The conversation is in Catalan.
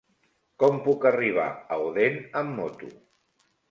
Com puc arribar a Odèn amb moto?